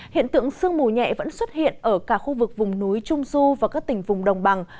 hiện tượng sương mù nhẹ vẫn xuất hiện ở cả khu vực vùng núi trung du và các tỉnh vùng đồng bằng